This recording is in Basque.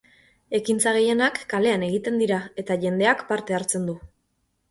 Ekintza gehienak kalean egiten dira, eta jendeak parte hartzen du.